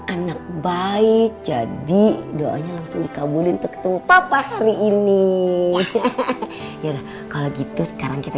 anak baik jadi doanya langsung dikabulin ketemu papa hari ini kalau gitu sekarang kita